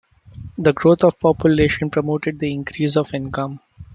The growth of population promoted the increase of income.